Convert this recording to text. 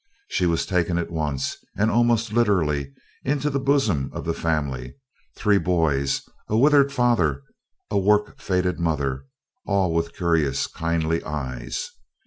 She was taken at once, and almost literally, into the bosom of the family, three boys, a withered father, a work faded mother, all with curious, kindly eyes.